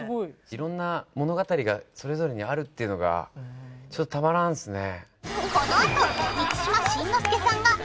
色んな物語がそれぞれにあるっていうのがちょっとたまらんですね。